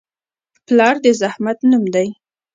پلار د زحمت نوم دی.